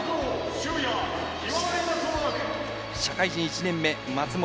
社会人１年目、松本。